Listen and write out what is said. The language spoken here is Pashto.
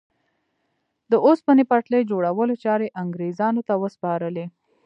د اوسپنې پټلۍ جوړولو چارې انګرېزانو ته وسپارلې.